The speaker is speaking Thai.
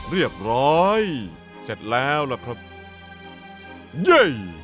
เรียบร้อยเสร็จแล้วล่ะครับเย่